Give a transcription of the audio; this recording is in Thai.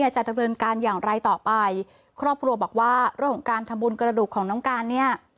จะดำเนินการอย่างไรต่อไปครอบครัวบอกว่าเรื่องของการทำบุญกระดูกของน้องการเนี่ย